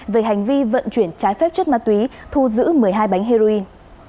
về hành vi vận chuyển trái phép chất ma túy thu giữ một mươi hai bánh heroin